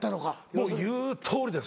もう言うとおりです